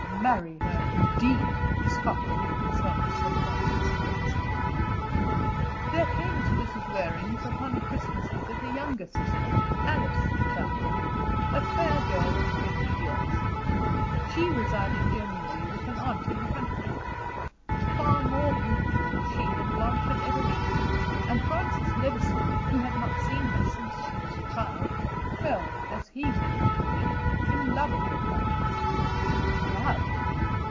"Marry her, indeed!" scoffed to himself Sir Francis Levison. There came to Mrs. Waring's upon a Christmas visit a younger sister, Alice Challoner, a fair girl of twenty years. She resided generally with an aunt in the country. Far more beautiful was she than Blanche had ever been, and Francis Levison, who had not seen her since she was a child, fell as he would have called it in love with her. Love!